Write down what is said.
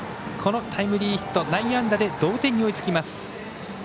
タイムリーヒット、内野安打で同点に追いつきます。